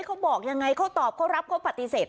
เขาบอกยังไงเขาตอบเขารับเขาปฏิเสธ